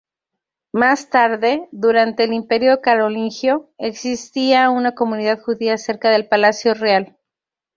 Más tarde, durante el imperio carolingio, existía una comunidad judía cerca del palacio real.